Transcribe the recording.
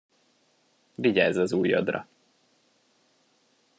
Vigyázz az ujjadra.